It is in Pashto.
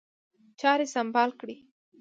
چاري سمبال کړي.